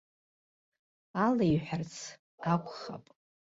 Алеиҳәарц акәхап.